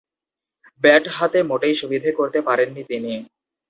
Bat হাতে মোটেই সুবিধে করতে পারেননি তিনি।